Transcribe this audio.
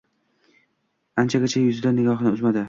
Anchagacha yuzidan nigohini uzmadi.